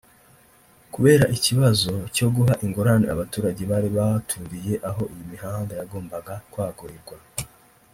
kubera ikibazo cyo guha ingurane abaturage bari baturiye aho iyi mihanda yagombaga kwagurirwa